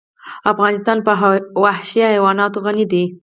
افغانستان په وحشي حیوانات غني دی.